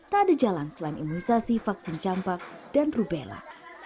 tak ada jalan selain imunisasi vaksin campak dan rubella